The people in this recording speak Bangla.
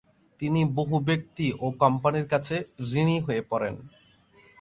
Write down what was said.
তিনি বহু ব্যক্তি ও কোম্পানির কাছে ঋণী হয়ে পড়েন।